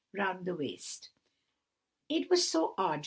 round the waist, "it was so odd!